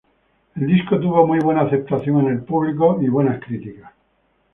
El disco tuvo muy buena aceptación en el público y buenas críticas.